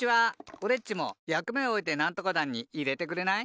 おれっちもやくめをおえてなんとか団にいれてくれない？